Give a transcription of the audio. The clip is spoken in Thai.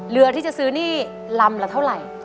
เรือที่จะซื้อนี่ลำละเท่าไหร่